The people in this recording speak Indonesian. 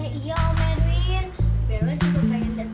belom juga pengen dateng ke lokasi syuting om edwin